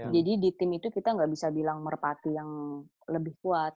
jadi di tim itu kita enggak bisa bilang merpati yang lebih kuat